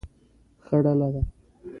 ښه ډله ده.